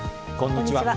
こんにちは。